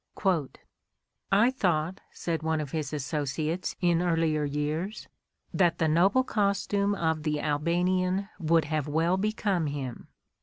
'' I thought, '' said one of his associates in earlier years, "that the noble costume of the Albanian would have well become him.